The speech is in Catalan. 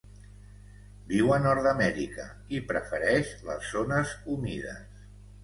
Viu a Nord-amèrica i prefereix les zones humides.